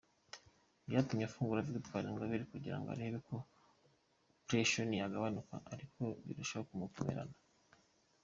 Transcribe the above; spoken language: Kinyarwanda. Byatumye afungura Victoire Ingabire kugirango arebe ko pression yagabanuka ariko birushaho kumukomerana.